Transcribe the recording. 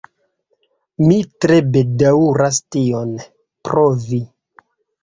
Mi tre bedaŭras tion, pro vi.